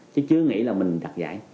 chứ chưa nghĩ là mình đặt giải